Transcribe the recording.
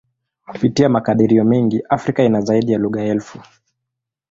Kupitia makadirio mengi, Afrika ina zaidi ya lugha elfu.